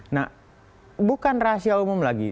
nah bukan rahasia umum lagi